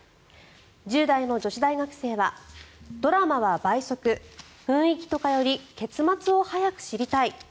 １０代の女子大学生はドラマは倍速雰囲気とかより結末を早く知りたい。